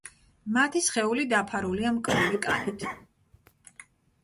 მათი სხეული დაფარულია მკვრივი კანით.